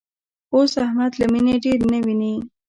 اوس احمد له مینې ډېر نه ویني.